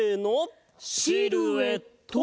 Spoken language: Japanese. シルエット！